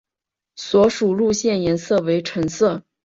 所属的线路颜色为橙色。